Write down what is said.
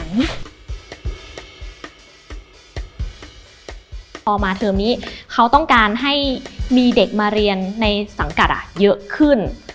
พอมาเทอมนี้เขาต้องการให้มีเด็กมาเรียนในสังกัดเยอะขึ้น